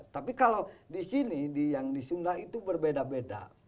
tapi kalau di sini yang di sunda itu berbeda beda